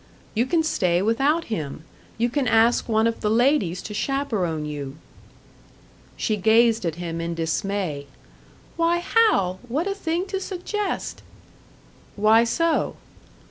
"You can stay without him. You can ask one of the ladies to chaperon you." She gazed at him in dismay. "Why, Hal! What a thing to suggest!" "Why so?"